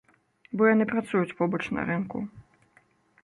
Бо яны працуюць побач на рынку.